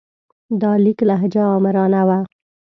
د لیک لهجه آمرانه وه.